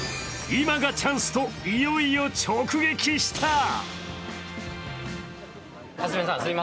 今がチャンス！といよいよ直撃した。